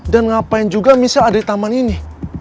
dan ngapain juga michelle ada di taman ini